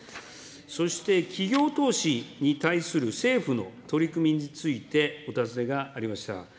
そして、企業投資に対する政府の取り組みについてお尋ねがありました。